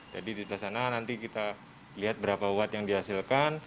jadi di sebelah sana nanti kita lihat berapa watt yang dihasilkan